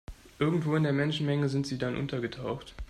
Irgendwo in der Menschenmenge sind sie dann untergetaucht.